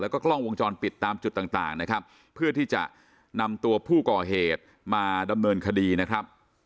แล้วก็กล้องวงจรปิดตามจุดต่างนะครับเพื่อที่จะนำตัวผู้ก่อเหตุมาดำเนินคดีนะครับ